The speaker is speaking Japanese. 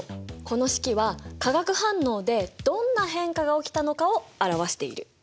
この式は化学反応でどんな変化が起きたのかを表している。